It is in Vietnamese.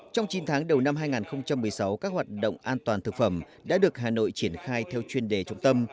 trong chín tháng đầu năm hai nghìn một mươi sáu các hoạt động an toàn thực phẩm đã được hà nội triển khai theo chuyên đề trung tâm